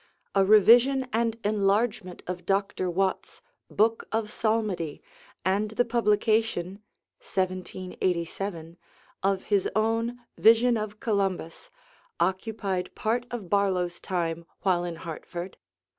A revision and enlargement of Dr. Watts's 'Book of Psalmody,' and the publication (1787) of his own 'Vision of Columbus,' occupied part of Barlow's time while in Hartford.